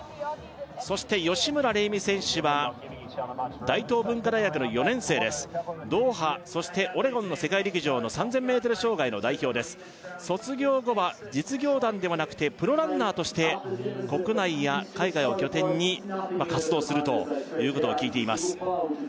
そして吉村玲美選手は大東文化大学の４年生ですドーハそしてオレゴンの世界陸上の３０００ｍ障害の代表です卒業後は実業団ではなくてプロランナーとして国内や海外を拠点に活動するということを聞いています